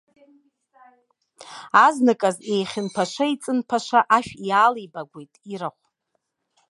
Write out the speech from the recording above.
Азныказ еихьынԥаша-еиҵынԥаша ашә иаалеибагәеит ирахә.